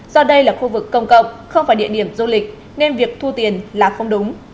do đây là khu vực công cộng không phải địa điểm du lịch nên việc thu tiền là không đúng